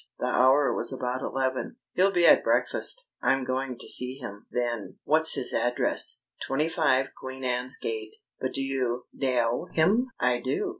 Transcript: The hour was about eleven. "He'll be at breakfast." "I'm going to see him, then. What's his address?" "Twenty five Queen Anne's Gate. But do you knaow him? I do.